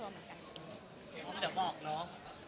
อเรนนี่ปุ๊ปอเรนนี่ปุ๊ป